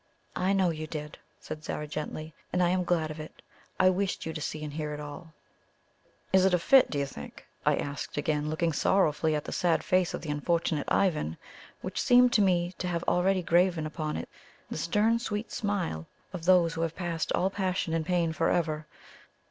"I know you did," said Zara gently; "and I am glad of it. I wished you to see and hear all." "Is it a fit, do you think?" I asked again, looking sorrowfully at the sad face of the unfortunate Ivan, which seemed to me to have already graven upon it the stern sweet smile of those who have passed all passion and pain forever.